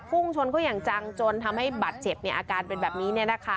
ผู้โชคเขาอย่างจังจนทำให้บาดเจ็บเนี่ยอาการเป็นแบบนี้เนี่ยนะคะ